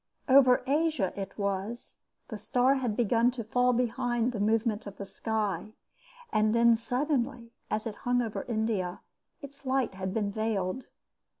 Over Asia it was the star had begun to fall behind the movement of the sky, and then suddenly, as it hung over India, its light had been veiled.